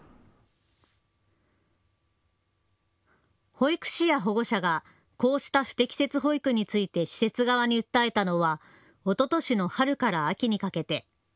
保育士や保護者がこうした不適切保育について施設側に訴えたのはおととしの春から秋にかけて。